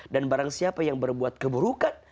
dan barang siapa yang berbuat keburukan